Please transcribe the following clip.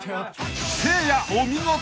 ［せいやお見事！］